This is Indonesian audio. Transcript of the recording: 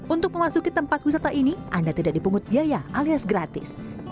untuk memasuki tempat wisata ini anda tidak dipungut biaya alias gratis